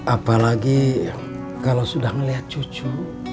apalagi kalau sudah melihat cucu